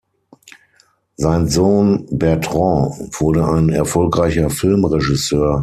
Sein Sohn Bertrand wurde ein erfolgreicher Filmregisseur.